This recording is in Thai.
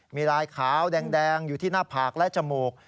มีลายขาวแดงอยู่ที่หน้าผากและจมูก